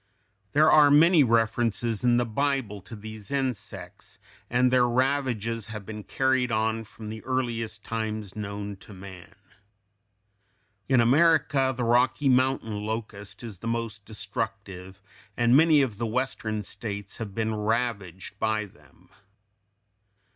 There are many references in the Bible to these insects, and their ravages have been carried on from the earliest times known to man. In America the Rocky Mountain locust is the most destructive, and many of the Western states have been ravaged by them.